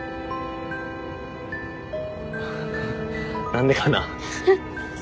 何でかな。